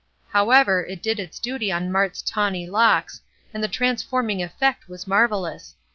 However, it did its duty on Mart's tawny locks, and the transforming effect was marvellous.